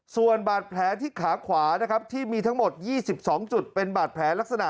ส่วนบาดแผลที่ขาขวานะครับที่มีทั้งหมด๒๒จุดเป็นบาดแผลลักษณะ